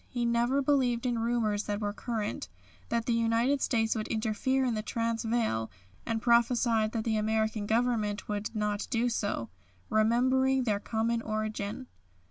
He never believed in rumours that were current, that the United States would interfere in the Transvaal, and prophesied that the American Government would not do so "remembering their common origin."